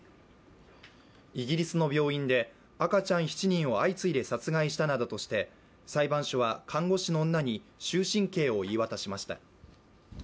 イギリスの病院で赤ちゃん７人を相次いで殺害したなどとして裁判所は看護師の女に終身刑を言い渡しました。